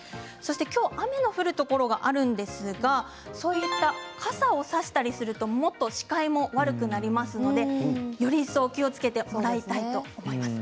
今日は雨の降るところもありますがそういった傘を差したりするともっと視界も悪くなりますのでより一層気をつけてもらいたいと思います。